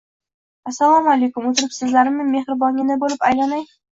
Assalomu alaykum, oʻtiribsizlarmi mehribongina boʻlib, aylanay